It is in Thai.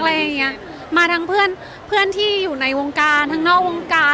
อะไรอย่างเงี้ยมาทั้งเพื่อนเพื่อนที่อยู่ในวงการทั้งนอกวงการ